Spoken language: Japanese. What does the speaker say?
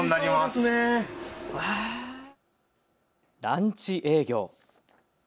ランチ営業。